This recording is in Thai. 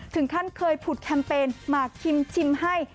ถึงท่านเคยผูดแคมเปนมาคิมชิมให้